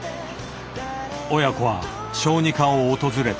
親子は小児科を訪れた。